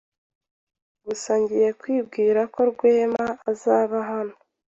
Gusa ngiye kwibwira ko Rwema azaba hano.